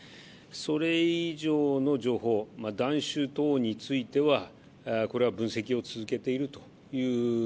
それ以上の情報、まだ弾種等については分析を続けているという。